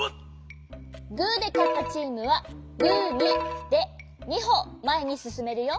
グーでかったチームはグミで２ほまえにすすめるよ。